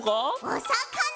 おさかな！